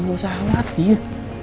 gak usah khawatir